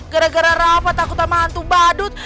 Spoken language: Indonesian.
gara gara rapat takut sama hantu badut